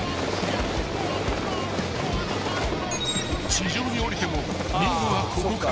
［地上に降りても任務はここから］